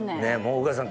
宇賀さん。